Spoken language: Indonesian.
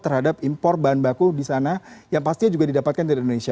terhadap impor bahan baku di sana yang pastinya juga didapatkan dari indonesia